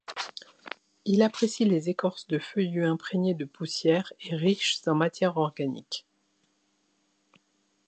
Il apprécie les écorces de feuillues imprégnées de poussières et riches en matières organique.